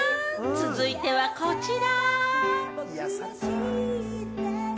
続いてはこちら！